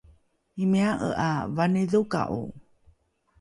imia’e ’a vanidhoka’o?